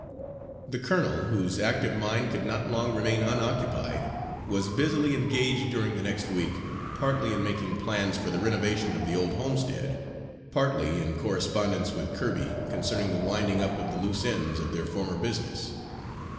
The colonel, whose active mind could not long remain unoccupied, was busily engaged during the next week, partly in making plans for the renovation of the old homestead, partly in correspondence with Kirby concerning the winding up of the loose ends of their former business.